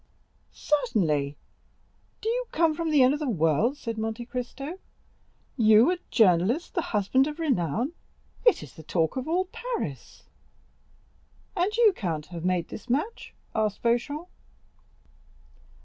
"Certainly! do you come from the end of the world?" said Monte Cristo; "you, a journalist, the husband of renown? It is the talk of all Paris." "And you, count, have made this match?" asked Beauchamp.